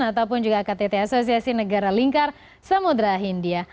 ataupun juga ktt as semudra hindia